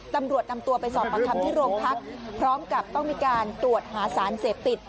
ตำรวจนำตัวไปสอบประคำที่โรงพักพร้อมกับต้องมีการตรวจหาสารเสพติด